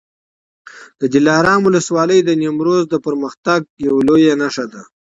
د دلارام ولسوالي د نیمروز د پرمختګ یوه لویه نښه ده.